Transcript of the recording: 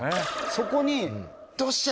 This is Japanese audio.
そこに。